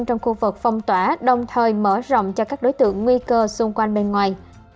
trong khu vực phong tỏa đồng thời mở rộng cho các đối tượng nguy cơ xung quanh bên ngoài